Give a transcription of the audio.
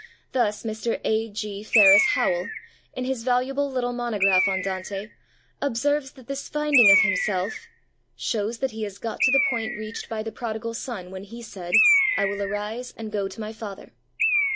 Thus, Mr. A. G. Ferress Howell, in his valuable little monograph on Dante, observes that this finding of himself 'shows that he has got to the point reached by the prodigal son when he said, "I will arise and go to my father."